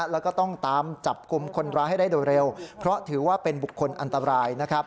แล้วก็ต้องตามจับกลุ่มคนร้ายให้ได้โดยเร็วเพราะถือว่าเป็นบุคคลอันตรายนะครับ